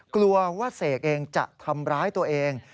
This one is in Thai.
กลัวว่าเสกเองจะทำร้ายตัวเอง